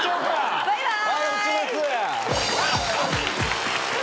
バイバイ！